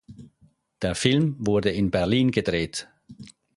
Der Film wurde in Berlin gedreht.